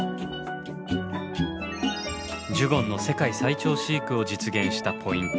ジュゴンの世界最長飼育を実現したポイント